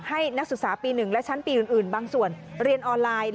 นักศึกษาปี๑และชั้นปีอื่นบางส่วนเรียนออนไลน์